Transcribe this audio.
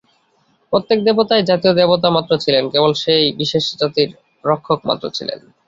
প্রত্যেক দেবতাই জাতীয় দেবতামাত্র ছিলেন, কেবল সেই বিশেষ জাতির রক্ষকমাত্র ছিলেন।